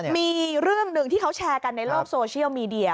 มีเรื่องหนึ่งที่เขาแชร์กันในโลกโซเชียลมีเดีย